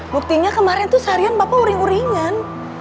buktinya kemarin tuh seharian bapak uring uringan